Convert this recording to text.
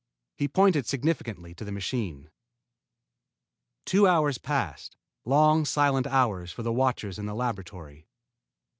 He pointed significantly to the machine. Two hours passed, long, silent hours for the watchers in the laboratory.